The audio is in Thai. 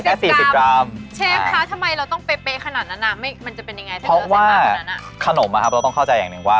เพราะว่าขนมอ่ะเราต้องเข้าใจอย่างหนึ่งว่า